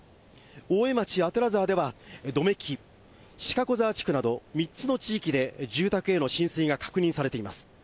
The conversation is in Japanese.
大江町左沢では、百目木、しかこざわ地区など３つの地域で住宅への浸水が確認されています。